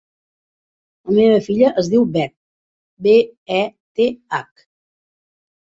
La meva filla es diu Beth: be, e, te, hac.